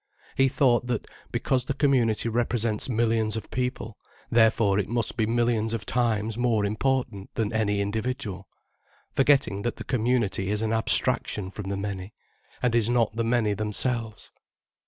He thought that, because the community represents millions of people, therefore it must be millions of times more important than any individual, forgetting that the community is an abstraction from the many, and is not the many themselves.